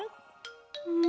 うん。